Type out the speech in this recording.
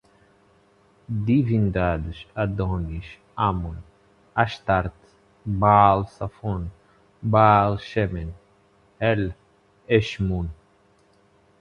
divindades, Adônis, Amon, Astarte, Baal Safon, Baal Shemen, El, Eshmun